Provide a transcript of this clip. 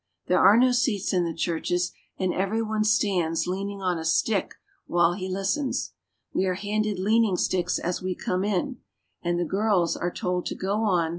There are no seats in the churches, and every one stands leaning on a stick while he listens. We are handed lean ing sticks as we come in; and the girls are told to go on ACROSS BRITISH EAST AFRICA BV RAIL ■3!